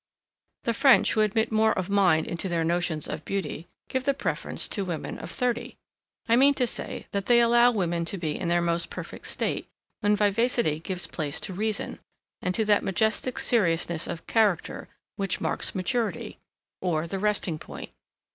The French who admit more of mind into their notions of beauty, give the preference to women of thirty. I mean to say, that they allow women to be in their most perfect state, when vivacity gives place to reason, and to that majestic seriousness of character, which marks maturity; or, the resting point.